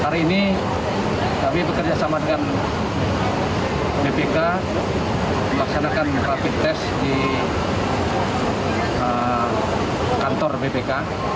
hari ini kami bekerjasama dengan bpk memaksanakan rapid test di kantor bpk